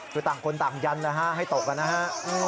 คือต่างคนต่างยันนะฮะให้ตบกันนะฮะ